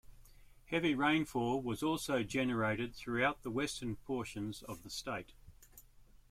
Heavy rainfall was also generated throughout western portions of the state.